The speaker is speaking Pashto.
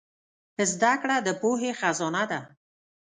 زدهکړه د پوهې خزانه ده.